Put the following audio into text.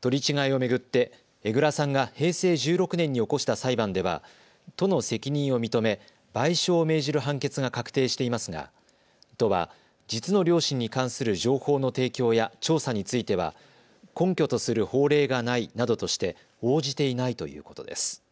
取り違えを巡って江藏さんが平成１６年に起こした裁判では都の責任を認め賠償を命じる判決が確定していますが都は実の両親に関する情報の提供や調査については根拠とする法令がないなどとして応じていないということです。